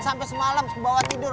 sampai semalam kebawa tidur